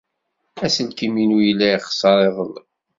Aselkim-inu yella yexṣer iḍelli.